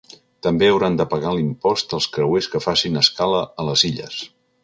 També hauran de pagar l’impost els creuers que facin escala a les Illes.